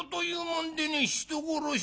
人殺し」。